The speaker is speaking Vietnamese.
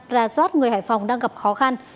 ra soát người hải phòng đang gặp khó khăn